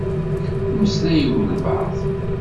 Meslay i walebɛaḍ.